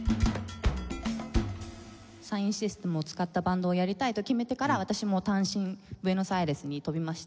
サインシステムを使ったバンドをやりたいと決めてから私も単身ブエノスアイレスに飛びまして。